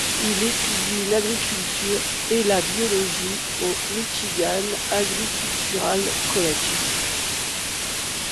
Il étudie l’agriculture et la biologie au Michigan Agricultural College.